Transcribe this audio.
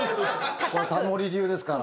タモリ流ですから。